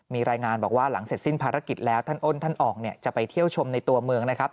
มีรายงานบอกว่าหลังเสร็จสิ้นภารกิจแล้วท่านอ้นท่านออกเนี่ยจะไปเที่ยวชมในตัวเมืองนะครับ